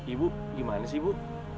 ibu gimana sih ibu